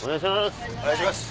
お願いします。